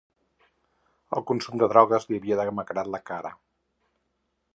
El consum de drogues li havia demacrat la cara.